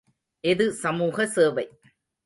எது சமூக சேவை.